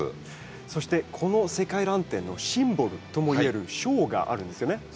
そしてこの「世界らん展」のシンボルともいえる賞があるんですよね？